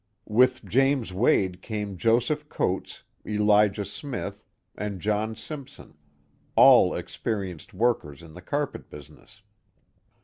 With James Wade came Joseph Coats, Elijah Smith and John Simpson, all experienced workers in the carpet business.